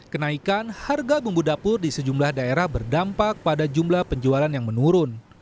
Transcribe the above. kenaikan harga bumbu dapur di sejumlah daerah berdampak pada jumlah penjualan yang menurun